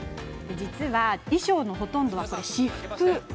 実は、衣装のほとんどは私服。